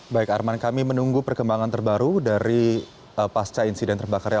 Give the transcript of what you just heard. baik arman kami menunggu perkembangan terbaru dari pasca insiden terbakarnya